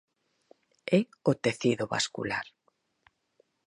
É o tecido vascular.